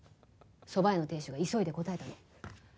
蕎麦屋の亭主が急いで答えたの。